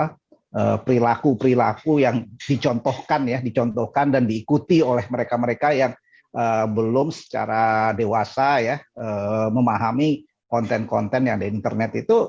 karena perilaku perilaku yang dicontohkan dan diikuti oleh mereka mereka yang belum secara dewasa ya memahami konten konten yang ada di internet itu